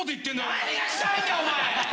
何がしたいんだお前！